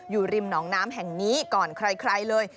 อยู่ริมหนองน้ำแห่งนี้ก่อนใครเลย